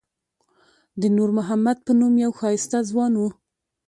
د نور محمد په نوم یو ښایسته ځوان و.